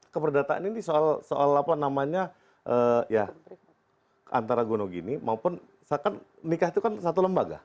keperdataan ini soal apa namanya ya antara gonogini maupun nikah itu kan satu lembaga